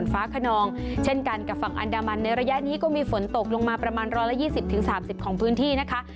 ฝนตกลงมาประมาณ๑๒๐๓๐ของพื้นที่นะคะ